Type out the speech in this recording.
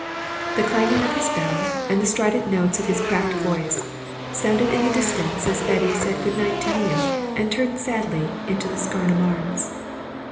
The clanging of his bell, and the strident notes of his cracked voice, sounded in the distance as Betty said good night to Neale and turned sadly into the Scarnham Arms.